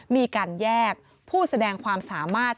มีการแยกผู้แสดงความสามารถ